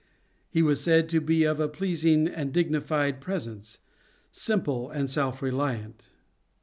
He was said to be of a pleasing and dignified presence, simple and self reliant.